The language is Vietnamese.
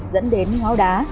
dẫn đến hoáo đá